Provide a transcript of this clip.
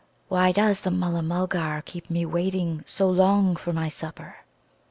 Why does the Mulla mulgar keep me waiting so long for my supper?"